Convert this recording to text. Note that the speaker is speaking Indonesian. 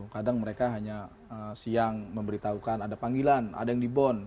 kadang mereka hanya siang memberitahukan ada panggilan ada yang dibon